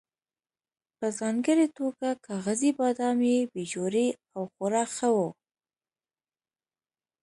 په ځانګړې توګه کاغذي بادام یې بې جوړې او خورا ښه وو.